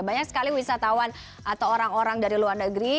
banyak sekali wisatawan atau orang orang dari luar negeri